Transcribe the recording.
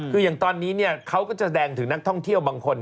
คืออย่างตอนนี้เขาก็จะแสดงถึงนักท่องเที่ยวบางคน